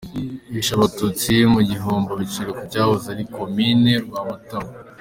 Hishwe abatutsi muri Gihombo bicirwa ku cyahoze ari Komine Rwamatamu.